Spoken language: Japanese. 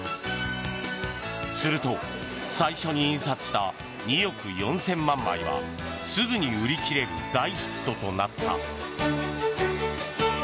すると、最初に印刷した２億４０００万枚はすぐに売り切れる大ヒットとなった。